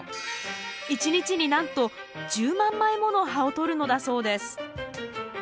１日になんと１０万枚もの葉をとるのだそうです